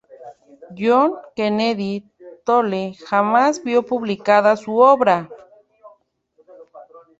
John Kennedy Toole jamás vio publicada su obra.